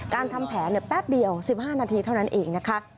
ทำแผนแป๊บเดียว๑๕นาทีเท่านั้นเองนะคะ